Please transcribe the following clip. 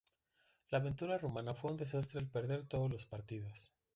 La aventura rumana fue un desastre al perder todos los partidos.